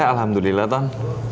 ya alhamdulillah ton